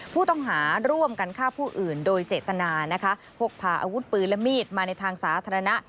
ผู้ต้องหาร่วมกันฆ่าผู้อื่นโดยเจตนานะคะพกพาอาวุธปืนและมีดมาในทางสาธารณะ